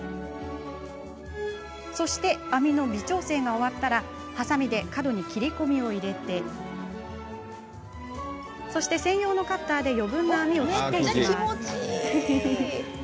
そして、網の微調整が終わったらはさみで角に切り込みを入れて専用のカッターで余分な網を切っていきます。